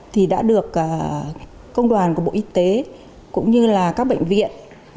thì đã được công đoàn của bộ y tế cũng như là các bệnh viện